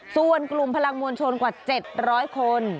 ส่วนกลุ่มพลังมวลชนกว่า๗๐๐คน